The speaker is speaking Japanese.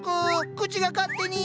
口が勝手に。